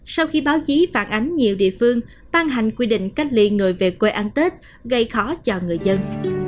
sau khi báo chí phản ánh nhiều địa phương ban hành quy định cách ly người về quê ăn tết gây khó cho người dân